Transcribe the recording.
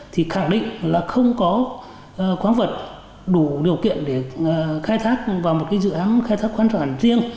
thì khẳng định là không có quán vật đủ điều kiện để khai thác vào một dự án khai thác khoáng sản riêng